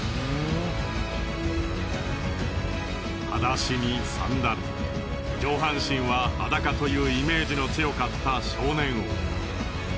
はだしにサンダル上半身は裸というイメージの強かった少年王。